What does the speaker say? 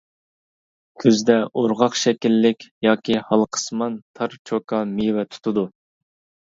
كۈزدە ئورغاق شەكىللىك ياكى ھالقىسىمان تار چوكا مېۋە تۇتىدۇ.